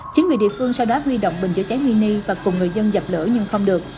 chính quyền địa phương sau đó huy động bình chữa cháy mini và cùng người dân dập lửa nhưng không được